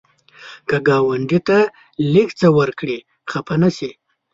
که ګاونډي ته لږ څه ورکړې، خفه نشي